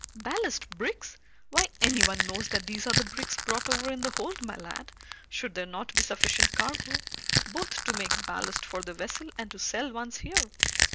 "Ballast bricks? Why, anyone knows that these are the bricks brought over in the hold, my lad, should there not be sufficient cargo, both to make ballast for the vessel and to sell once here.